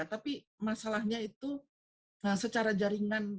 tapi masalahnya itu secara jaringan